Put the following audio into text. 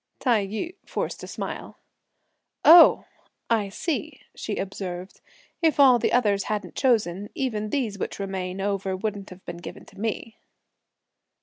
Tai yü forced a smile. "Oh! I see," she observed. "If all the others hadn't chosen, even these which remain over wouldn't have been given to me."